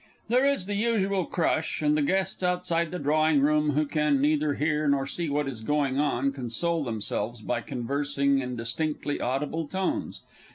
_There is the usual crush, and the guests outside the drawing room, who can neither hear nor see what is going on, console themselves by conversing in distinctly audible tones.